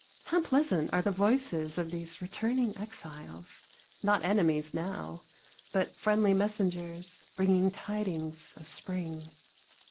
How pleasant are the voices of these returning exiles, not enemies now, but friendly messengers, bringing tidings of spring.